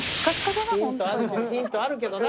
ヒントあるけどな。